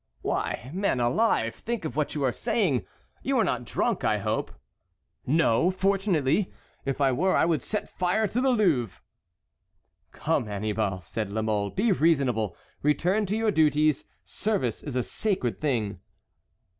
"Why, man alive, think what you are saying. You are not drunk, I hope." "No, fortunately; if I were I would set fire to the Louvre." "Come, Annibal," said La Mole, "be reasonable. Return to your duties. Service is a sacred thing."